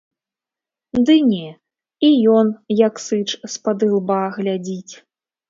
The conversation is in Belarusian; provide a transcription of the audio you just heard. Ды не, і ён як сыч з-пад ілба глядзіць.